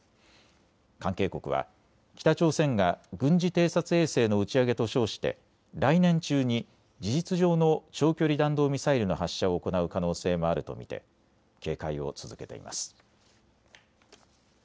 関係国は北朝鮮が軍事偵察衛星の打ち上げと称して来年中に事実上の長距離弾道ミサイルの発射を行う可能性もあると見て警戒を続けています。